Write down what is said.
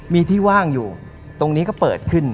มีที่ว่างอยู่ตรงนี้ก็เปิดขึ้น